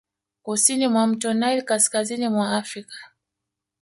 Kusini mwa mto Naili kaskazini mwa Afrika